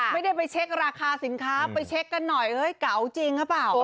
ไม่ได้ไปเช็คราคาสินค้าไปเช็คกันหน่อยเก๋าจริงหรือเปล่า